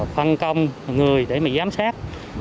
phân công người để giám sát